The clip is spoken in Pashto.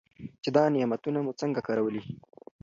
چې دا نعمتونه مو څنګه کارولي.